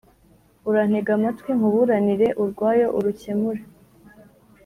urantege amatwi nkuburanire urwayo, urukemure.